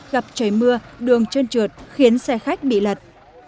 gặp trời mưa đường trơn trượt khiến xe khách bị lật